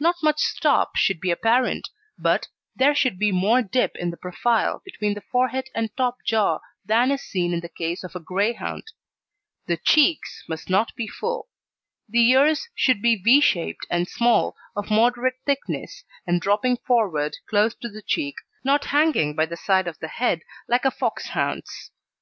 Not much "stop" should be apparent, but there should be more dip in the profile between the forehead and top jaw than is seen in the case of a Greyhound. The Cheeks must not be full. The Ears should be V shaped and small, of moderate thickness, and dropping forward close to the cheek, not hanging by the side of the head like a Foxhound's.